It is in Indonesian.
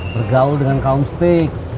bergaul dengan kaum stik